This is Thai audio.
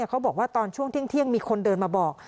เขาบอกว่าตอนช่วงเที่ยงมีคนเดินมาบอก